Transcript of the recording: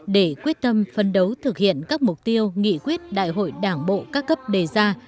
để quyết tâm phân đấu thực hiện các mục tiêu nghị quyết đại hội đảng bộ các cấp đề ra